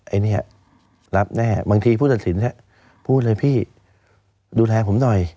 อันนี้รับแน่บางทีผู้ตัดสินพูดเลยพี่ดูแลผมหน่อย